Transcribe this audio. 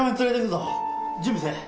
準備せぇ。